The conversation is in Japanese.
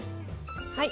はい。